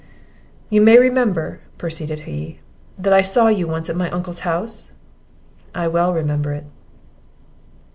"You may remember," proceeded he, "that I saw you once at my uncle's house?" "I well remember it."